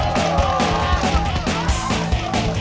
ya ya disini ayo cepet